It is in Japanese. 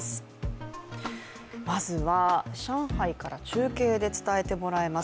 まずは上海から中継で伝えてもらいます。